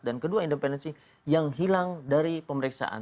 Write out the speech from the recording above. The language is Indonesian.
dan kedua independensi yang hilang dari pemeriksaan